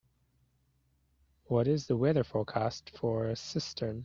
What is the weather forecast for Cistern